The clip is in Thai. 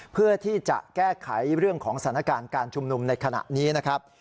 เพื่อที่จะแก้ไขเรื่องของสถานการณ์การชุมนุมในขณะนี้นะครับ